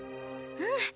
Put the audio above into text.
うん。